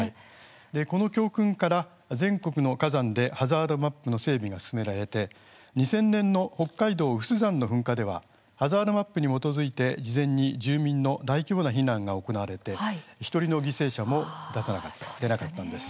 この教訓から全国の火山でハザードマップの整備が進められて２０００年の北海道の有珠山の噴火ではハザードマップに基づいて事前に住民の大規模な避難が行われて１人の犠牲者も出さなかったんです。